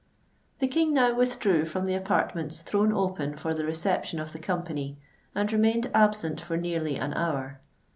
The King now withdrew from the apartments thrown open for the reception of the company, and remained absent for nearly an hour.